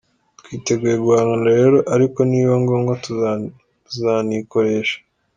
Twiteguye guhangana rero, ariko ni biba ngombwa tuzanikoresha.